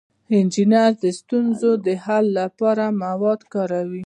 انجینر د ستونزو د حل لپاره مواد کاروي.